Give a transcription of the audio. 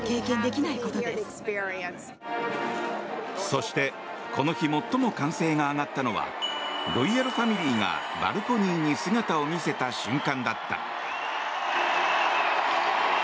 そしてこの日最も歓声が上がったのはロイヤルファミリーがバルコニーに姿を見せた瞬間だった。